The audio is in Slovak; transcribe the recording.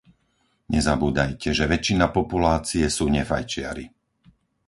Nezabúdajte, že väčšina populácie sú nefajčiari.